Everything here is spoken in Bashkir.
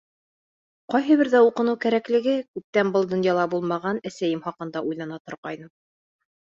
Ҡайһы берҙә уҡыныу кәрәклеге, күптән был донъяла булмаған әсәйем хаҡында уйлана торғайным.